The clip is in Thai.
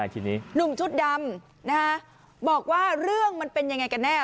ทีนี้หนุ่มชุดดำบอกว่าเรื่องมันเป็นยังไงกันแน่